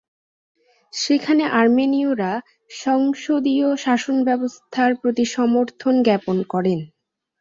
সেখানে আর্মেনীয়রা সংসদীয় শাসনব্যবস্থার প্রতি সমর্থন জ্ঞাপন করেন।